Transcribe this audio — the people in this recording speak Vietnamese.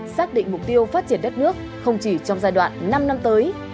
xác định mục tiêu phát triển đất nước không chỉ trong giai đoạn năm năm tới